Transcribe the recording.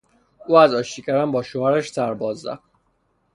او از آشتی کردن با شوهرش سر باز زد.